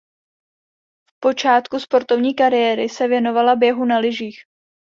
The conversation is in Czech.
V počátku sportovní kariéry se věnovala běhu na lyžích.